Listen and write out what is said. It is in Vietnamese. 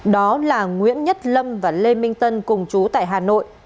đó là nguyễn nhất lâm và lê minh tân cùng chú tại hà nội